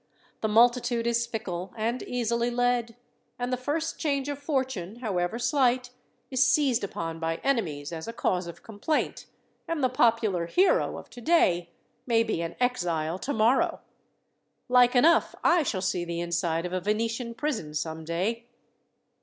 The multitude is fickle and easily led; and the first change of fortune, however slight, is seized upon by enemies as a cause of complaint, and the popular hero of today may be an exile tomorrow. Like enough I shall see the inside of a Venetian prison some day."